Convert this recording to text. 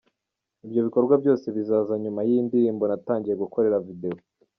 Ibyo bikorwa byose bizaza nyuma y’iyi ndirimbo natangiye gukorera Video”.